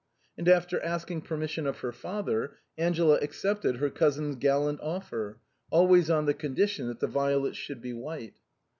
And after asking per mission of her father, Angela accepted her cousin's gal lant offer, always on condition that the violets should be white.